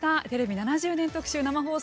７０年特集「生放送！